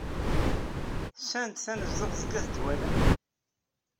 Sɛant tanezduɣt deg at Dwala?